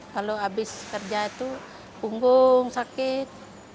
kalau habis kerja itu punggung sakit